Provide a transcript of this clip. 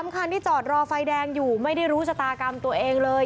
คันที่จอดรอไฟแดงอยู่ไม่ได้รู้ชะตากรรมตัวเองเลย